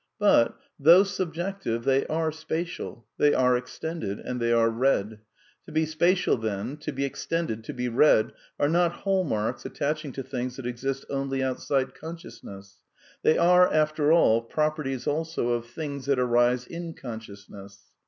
But, though subjective, they are spatial, they are extended, and they are red. To be spatial, then, to be extended, to be red, are not hall marks attaching to things that exist only outside con sciousness. They are, after all, properties also of things that arise in consciousness.